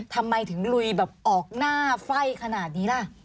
ทำไมถึงลุยแบบออกหน้าไฟ่ขนาดนี้ล่ะ